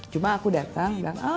cuma aku datang bilang